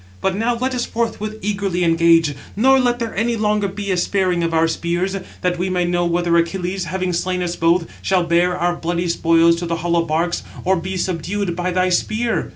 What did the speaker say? But now let us forthwith eagerly engage, nor let there any longer be a sparing of our spears, that we may know whether Achilles, having slain us both, shall bear our bloody spoils to the hollow barks, or be subdued by thy spear."